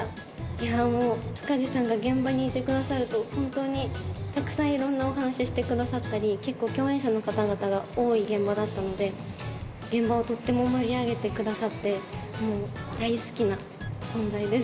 いやもう塚地さんが現場にいてくださると本当にたくさんいろんなお話してくださったり結構共演者の方々が多い現場だったので現場をとっても盛り上げてくださってもう大好きな存在です。